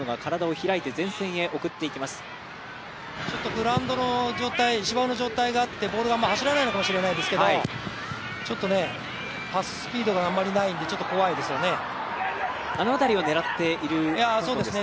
グラウンドの状態芝生の状態があって、ボールが走らないのかもしれないですけど、ちょっとパススピードがあまりないんであの辺りを狙っているんでしょうか、香港。